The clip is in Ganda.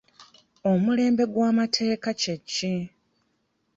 Omulembe gw'amateeka kye ki?